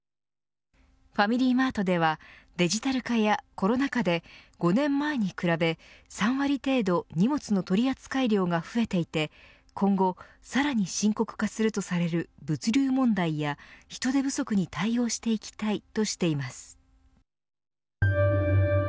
ファミリーマートではデジタル化やコロナ禍で５年前に比べ、３割程度荷物の取扱量が増えていて今後、さらに深刻化するとされる物流問題や人手不足に対応していきたいとしています。